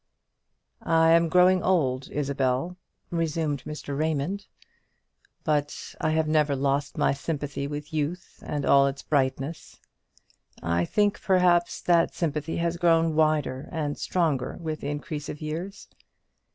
"I am growing old. Isabel," resumed Mr. Raymond; "but I have never lost my sympathy with youth and all its brightness. I think, perhaps, that sympathy has grown wider and stronger with increase of years.